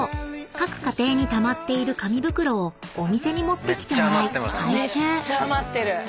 各家庭にたまっている紙袋をお店に持ってきてもらい回収］